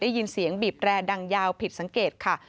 ได้ยินเสียงบีบแรดังยาวผิดสังเกตค่ะ